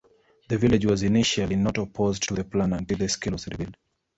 The village was initially not opposed to the plan until the scale was revealed.